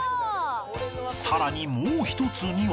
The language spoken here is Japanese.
さらにもう一つには